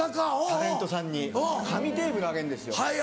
タレントさんに紙テープ投げるんですよ。